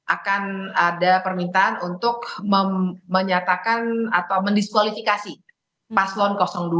akan ada permintaan untuk menyatakan atau mendiskualifikasi paslon dua